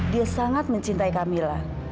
dia sangat mencintai camilla